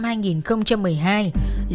dũng thuê xe ôm trở về nhà đối tượng dũng